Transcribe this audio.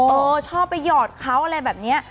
ชอบไปหยอดเขาอะไรแบบนี้